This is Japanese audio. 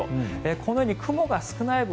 このように雲が少ない分